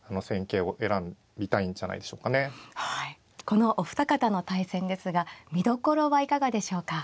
このお二方の対戦ですが見どころはいかがでしょうか。